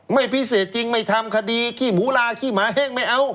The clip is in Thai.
ไม่พิเศษจริงไม่ทำคดีขี้หมูลาขี้หมาแห้งไม่เอา